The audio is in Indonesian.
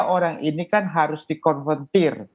tiga orang ini kan harus dikonventir